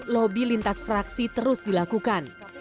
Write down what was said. lobby lintas fraksi terus dilakukan